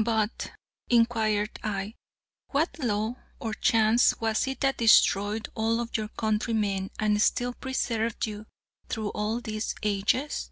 "But," inquired I, "what law or chance was it that destroyed all of your countrymen, and still preserved you through all these ages?"